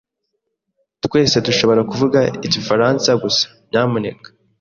Twese dushobora kuvuga igifaransa gusa, nyamuneka?